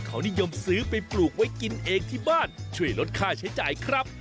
เขานิยมซื้อไปปลูกไว้กินเองที่บ้านช่วยลดค่าใช้จ่ายครับ